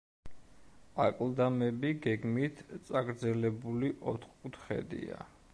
აკლდამები გეგმით წაგრძელებული ოთხკუთხედია.